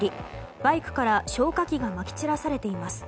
バイクから消火器がまき散らされています。